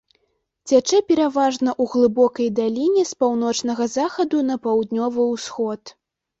Цячэ пераважна ў глыбокай даліне з паўночнага захаду на паўднёвы ўсход.